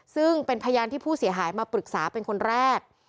ซึ่งเป็นพยานที่ผู้เสียหายมาปรึกษาเป็นคนแรก